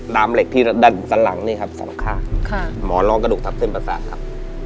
มเหล็กที่ด้านสันหลังนี่ครับสองข้างหมอร้องกระดูกทับเส้นประสาทครับ